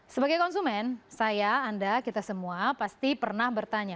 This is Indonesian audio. sebagai konsumen saya anda kita semua pasti pernah bertanya